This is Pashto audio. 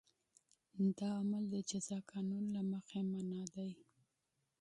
دا عمل د جزا قانون له مخې منع دی.